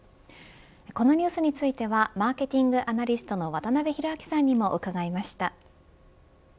このニュースについてはマーケティングアナリストの渡辺広明さんにも伺いました。